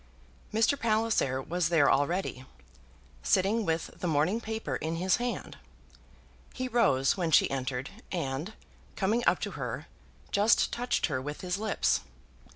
Mr. Palliser was there already, sitting with the morning paper in his hand. He rose when she entered, and, coming up to her, just touched her with his lips.